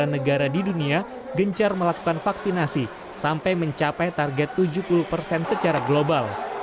dua puluh negara di dunia gencar melakukan vaksinasi sampai mencapai target tujuh puluh persen secara global